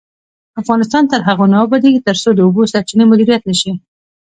افغانستان تر هغو نه ابادیږي، ترڅو د اوبو سرچینې مدیریت نشي.